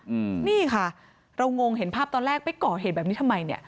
อืมนี่ค่ะเรางงเห็นภาพตอนแรกไปก่อเหตุแบบนี้ทำไมเนี้ย